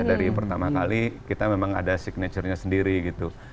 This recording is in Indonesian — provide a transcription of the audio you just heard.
dari pertama kali kita memang ada signature nya sendiri gitu